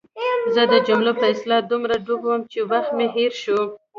زه د جملو په اصلاح دومره ډوب وم چې وخت مې هېر شو.